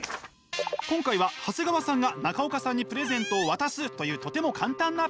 今回は長谷川さんが中岡さんにプレゼントを渡すというとても簡単なプラクティス。